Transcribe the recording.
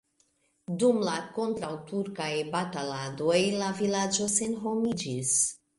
Dum la kontraŭturkaj bataladoj la vilaĝo senhomiĝis.